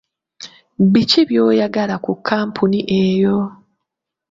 Biki by'oyagala ku kkampuni eyo?